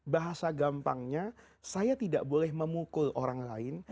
bahasa gampangnya saya tidak boleh memukul orang lain